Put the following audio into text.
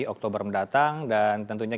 oktober mendatang dan tentunya